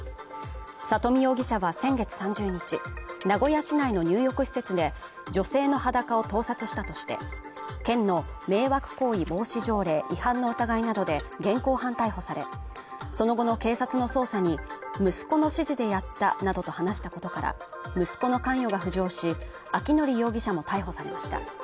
佐登美容疑者は先月３０日名古屋市内の入浴施設で女性の裸を盗撮したとして県の迷惑行為防止条例違反の疑いなどで現行犯逮捕されその後の警察の捜査に息子の指示でやったなどと話したことから息子の関与が浮上し明範容疑者も逮捕されました